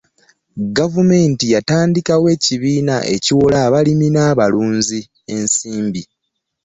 Gavumenti yatandikawo ebibiina ebiwola abalimi n'abalunzi ensimbi.